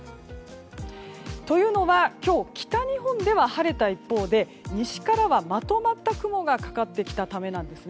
というのは今日北日本では晴れた一方で西からはまとまった雲がかかってきたためなんです。